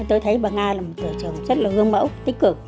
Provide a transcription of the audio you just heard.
tôi thấy bà nga là một tổ trưởng rất là hương mẫu tích cực